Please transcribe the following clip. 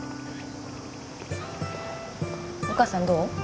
お母さんどう？